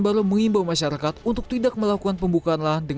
saya ingin menguasai masyarakat untuk tidak melakukan pembukaan lahan